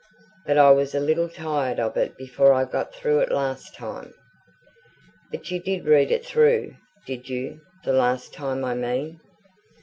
But I was a little tired of it before I got through it last time." "But you did read it through did you the last time, I mean?"